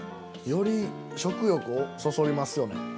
より食欲をそそりますよね。